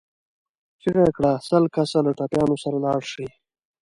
چيغه يې کړه! سل کسه له ټپيانو سره لاړ شئ.